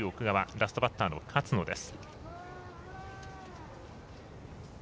ラストバッターの勝野です。